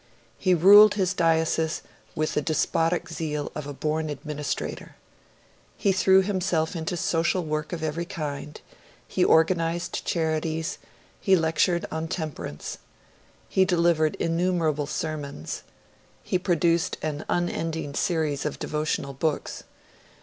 He ruled his diocese with the despotic zeal of a born administrator. He threw himself into social work of every kind; he organised charities, he lectured on temperance; he delivered innumerable sermons; he produced an unending series of devotional books.